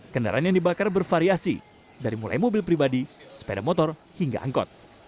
kendaraan yang dibakar bervariasi dari mulai mobil pribadi sepeda motor hingga angkot